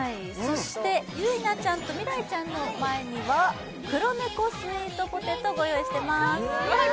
ゆいなちゃんと未来ちゃんの前には黒ネコスイートポテトをご用意しています。